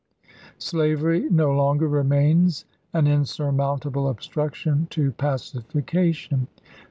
.. Slavery no longer remains an insurmountable obstruction to pacification.